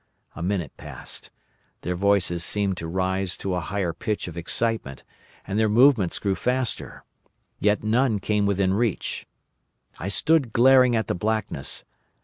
A minute passed. Their voices seemed to rise to a higher pitch of excitement, and their movements grew faster. Yet none came within reach. I stood glaring at the blackness.